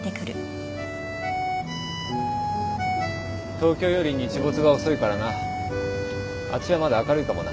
東京より日没が遅いからなあっちはまだ明るいかもな。